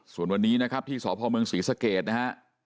ส่วนวันนี้นะครับที่สพเมืองศรีสเกตนะฮะ